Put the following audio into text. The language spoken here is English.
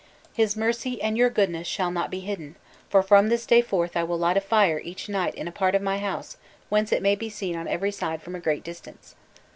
His mercy and your goodness shall not be hidden; for from this day forth I will light a fire each night in a part of my house whence it may be seen on every side from a great distance.